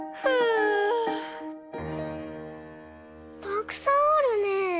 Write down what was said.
たくさんあるね。